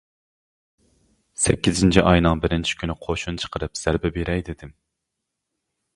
سەككىزىنچى ئاينىڭ بىرىنچى كۈنى قوشۇن چىقىرىپ زەربە بېرەي دېدىم.